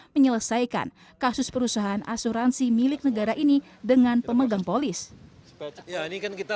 menyelesaikan kasus perusahaan asuransi milik negara ini dengan pemegang polis ini kan kita